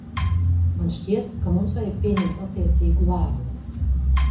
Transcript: Man šķiet, ka mums vajag pieņemt attiecīgu lēmumu.